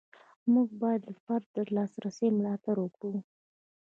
موږ باید د فرد د لاسرسي ملاتړ وکړو.